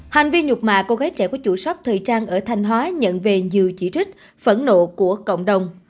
hành vi nhục mạ cô gái trẻ của chủ shop thời trang ở thanh hóa nhận về nhiều chỉ trích phẫn nộ của cộng đồng